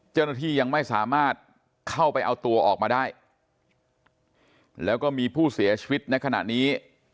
เจ้าหน้าที่ยังไม่สามารถเข้าไปเอาตัวออกมาได้แล้วก็มีผู้เสียชีวิตในขณะนี้